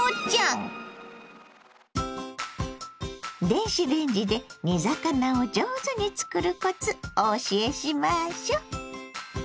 電子レンジで煮魚を上手に作るコツお教えしましょう。